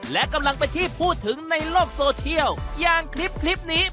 เป็นอาชีพที่จริงสามารถทำ